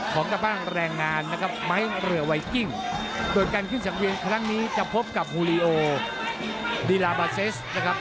กระทั่งแรงงานนะครับไม้เรือไวกิ้งโดยการขึ้นสังเวียนครั้งนี้จะพบกับฮูลีโอดีลาบาเซสนะครับ